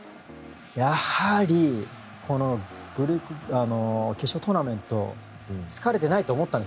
やはり、この決勝トーナメント疲れてないと思ったんです